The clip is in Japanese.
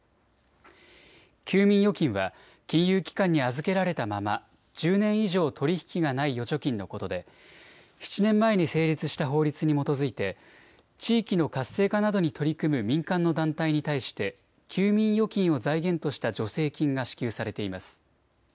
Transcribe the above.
休眠預金は金融機関に預けられたまま１０年以上取り引きがない預貯金のことで７年前に成立した法律に基づいて地域の活性化などに取り組む民間の団体に対して休眠預金を財源とした助成金が支給されています。